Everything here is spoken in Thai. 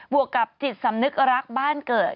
วกกับจิตสำนึกรักบ้านเกิด